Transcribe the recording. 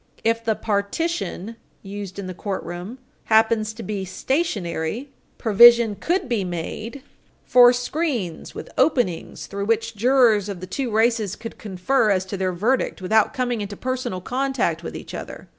If the "partition" used in the courtroom happens to be stationary, provision could be made for screens with openings through Page 163 U. S. 563 which jurors of the two races could confer as to their verdict without coming into personal contact with each other.